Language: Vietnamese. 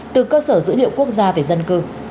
từ cơ sở dữ liệu quốc gia về dân cư